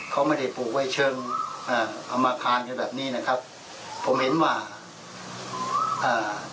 เขาไม่ได้ปลูกไว้เชิงอ่าเอามาคารกันแบบนี้นะครับผมเห็นว่าอ่า